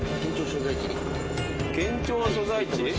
県庁所在地？